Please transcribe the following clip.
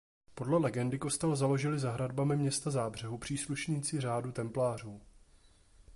Podle legendy kostel založili za hradbami města Zábřehu příslušníci řádu Templářů.